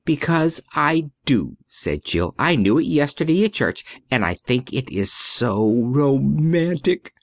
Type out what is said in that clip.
"Because I do," said Jill. "I knew it yesterday at church and I think it is so romantic."